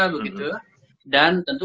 begitu dan tentu